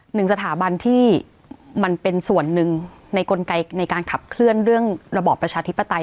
หนึ่งสถาบันที่มันเป็นส่วนหนึ่งในกลไกในการขับเคลื่อนเรื่องระบอบประชาธิปไตย